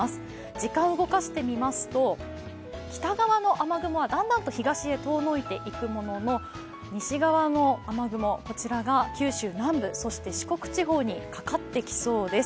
時間を動かしてみますと、北側の雨雲はだんだんと東側に遠のいていくものの、西側の雨雲が九州南部、そして四国地方にかかってきそうです。